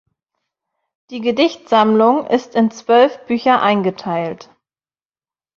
Die Gedichtsammlung ist in zwölf Bücher eingeteilt.